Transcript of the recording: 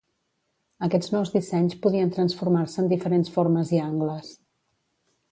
Aquests nous dissenys podien transformar-se en diferents formes i angles.